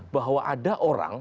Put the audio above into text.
bahwa ada orang